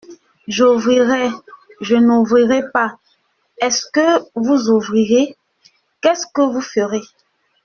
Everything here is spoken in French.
J’ouvrirai, je n’ouvrirai pas, est-ce que vous ouvrirez, qu’est-ce que vous ferez.